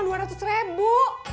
duitnya kurang dua ratus ribu